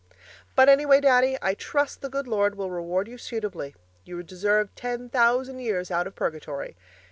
But anyway, Daddy, I trust the good Lord will reward you suitably. You deserve ten thousand years out of purgatory.